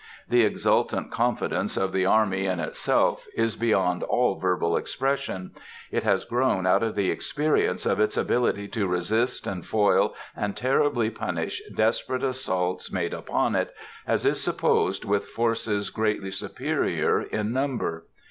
The exultant confidence of the army in itself is beyond all verbal expression. It has grown out of the experience of its ability to resist and foil and terribly punish desperate assaults made upon it, as is supposed with forces greatly superior in number.